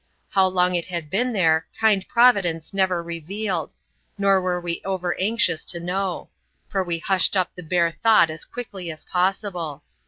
How long it had been there, kind Providence never revealed ; nor were we over anxious to know ; for we hushed up the bare thought as quickly as possible.